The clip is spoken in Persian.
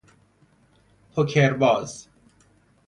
پو کر باز